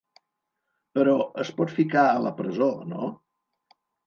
Però es pot ficar a la presó, no?